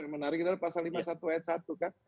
yang menarik adalah pasal lima puluh satu ayat satu kan